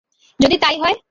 যদি তাই হয়?